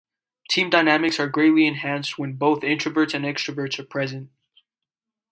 Team dynamics are greatly enhanced when both introverts and extraverts are present.